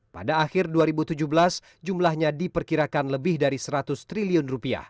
pada akhir dua ribu tujuh belas jumlahnya diperkirakan lebih dari rp seratus triliun